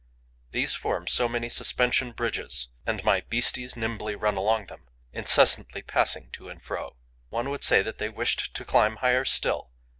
These form so many suspension bridges; and my beasties nimbly run along them, incessantly passing to and fro. One would say that they wished to climb higher still.